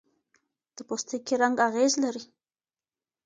د پوستکي رنګ اغېز لري.